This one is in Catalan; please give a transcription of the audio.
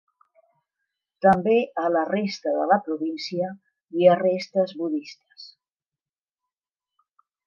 També a la resta de la província hi ha restes budistes.